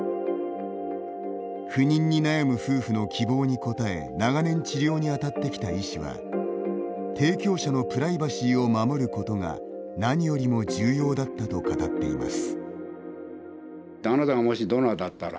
不妊に悩む夫婦の希望に応え長年治療にあたってきた医師は提供者のプライバシーを守ることが何よりも重要だったと語っています。